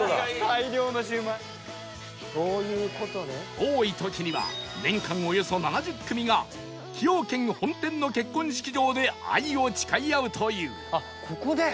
多い時には年間およそ７０組が崎陽軒本店の結婚式場で愛を誓い合うという